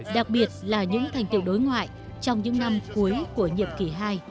đặc biệt là những thành tiệu đối ngoại trong những năm cuối của nhiệm kỳ hai